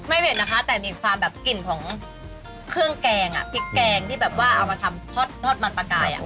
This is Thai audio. ไม่เผ็ดนะคะแต่มีความแบบกลิ่นของเครื่องแกงพริกแกงที่เอามาทำทอดมันปลากาย